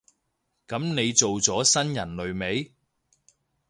噉你做咗新人類未？